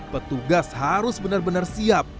petugas harus benar benar siap